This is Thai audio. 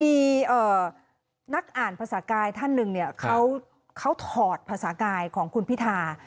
มีนักอ่านภาษากายท่านหนึ่งเนี่ยเขาถอดภาษากายของคุณพิธา